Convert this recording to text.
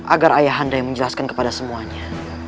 agar ayahanda yang menjelaskan kepada semuanya